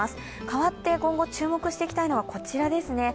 変わって、今後注目していきたいのがこちらです。